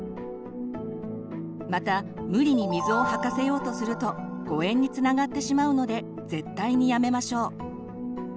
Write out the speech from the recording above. また無理に水を吐かせようとすると誤えんにつながってしまうので絶対にやめましょう。